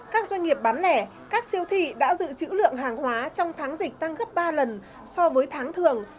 các doanh nghiệp bán lẻ các siêu thị đã dự trữ lượng hàng hóa trong tháng dịch tăng gấp ba lần so với tháng thường